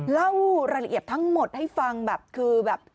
เล่ารายละเอียดทั้งหมดให้ฟังแบบคือแบบ